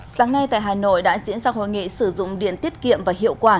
sáng nay tại hà nội đã diễn ra hội nghị sử dụng điện tiết kiệm và hiệu quả